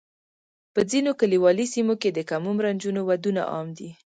په ځینو کلیوالي سیمو کې د کم عمره نجونو ودونه عام دي.